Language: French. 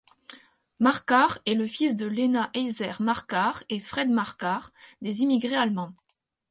Marquard est le fils de Lena Heiser Marquard et Fred Marquard, des immigrés allemands.